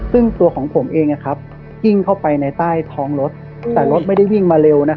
ซึ่งตัวของผมเองวิ่งเข้าไปในใต้ท้องรถแต่รถไม่ได้วิ่งมาเร็ว